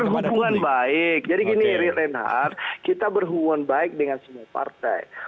bukan kita berhubungan baik jadi gini erie reinhardt kita berhubungan baik dengan semua partai